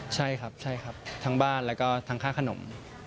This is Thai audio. ใช่ครับใช่ครับทั้งบ้านแล้วก็ทั้งค่าขนม